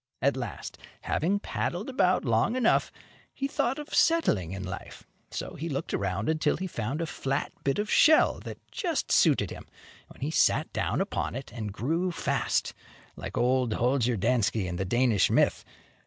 At last, having paddled about long enough, he thought of settling in life. So he looked around until he found a flat bit of shell that just suited him, when he sat down upon it, and grew fast, like old Holger Danske, in the Danish myth.